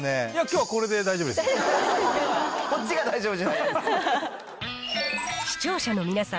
こっちが大丈夫じゃないです。